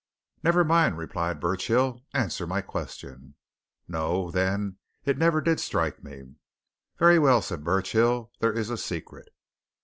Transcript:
"Never mind," replied Burchill. "Answer my question." "No, then it never did strike me." "Very well," said Burchill. "There is a secret."